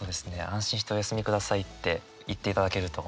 「安心してお休み下さい」って言っていただけると。